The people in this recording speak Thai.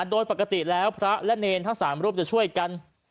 โดยปกติแล้วพระและเนรทั้ง๓รูปจะช่วยกัน